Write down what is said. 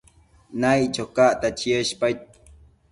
Naiccho cacta cheshpaid